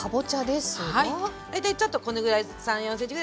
大体ちょっとこのぐらい３４ｃｍぐらいかな